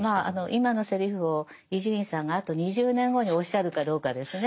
今のセリフを伊集院さんがあと２０年後におっしゃるかどうかですね。